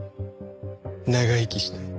長生きしたい。